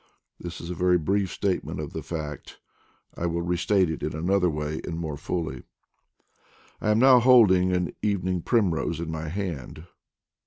This is a very brief statement of the fact; I will now restate it another way and more fully. I am now holding an evening primrose in my hand.